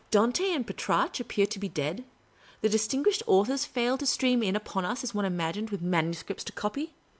Dante and Petrarch appear to be dead. The dis tinguished authors fail to stream in upon us as one imagined with manuscripts to copy."